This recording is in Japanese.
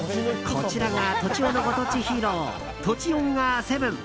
こちらが栃尾のご当地ヒーロートチオンガーセブン。